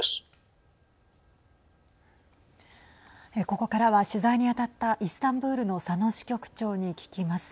ここからは取材に当たったイスタンブールの佐野支局長に聞きます。